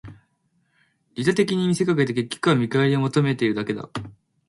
利他的に見せかけて、結局は見返りを求めているだけだ